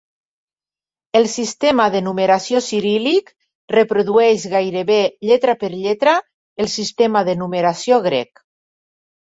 El sistema de numeració ciríl·lic reprodueix gairebé lletra per lletra el sistema de numeració grec.